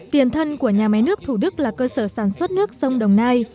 tiền thân của nhà máy nước thủ đức là cơ sở sản xuất nước sông đồng nai